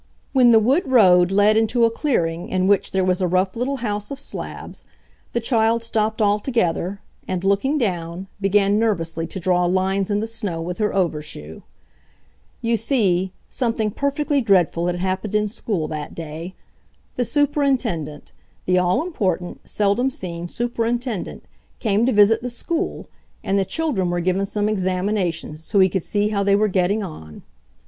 When the wood road led into a clearing in which there was a rough little house of slabs, the child stopped altogether, and, looking down, began nervously to draw lines in the snow with her overshoe. You see, something perfectly dreadful had happened in school that day. The Superintendent, the all important, seldom seen Superintendent, came to visit the school and the children were given some examinations so he could see how they were getting on.